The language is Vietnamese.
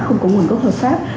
không có nguồn gốc hợp pháp